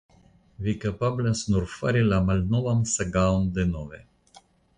Vi kapablas nur fari la malnovan sagaon denove.